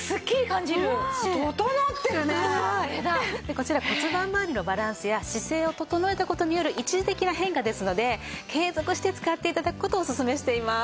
こちら骨盤まわりのバランスや姿勢を整えた事による一時的な変化ですので継続して使って頂く事をおすすめしています。